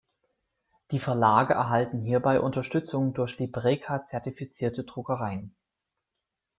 Die Verlage erhalten hierbei Unterstützung durch Libreka-zertifizierte Druckereien.